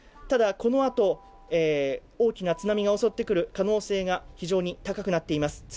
ただこの後、大きな津波が襲ってくる可能性が非常に高くなっています。